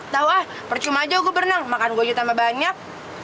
tau ah percuma aja gue berenang makan gue aja tambah banyak